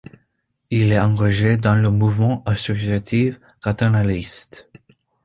Il est engagé dans le mouvement associatif catalaniste.